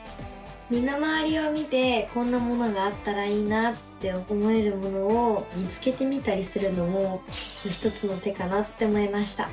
身の回りを見てこんなものがあったらいいなって思えるものを見つけてみたりするのも一つの手かなって思いました。